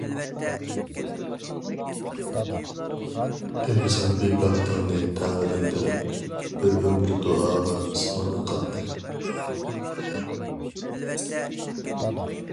ئىنسابى بەختىڭنى تەڭرىدىن تىلەپ، بىر ئۆمۈر دۇئاغا ئىسمىڭنى قاتتى.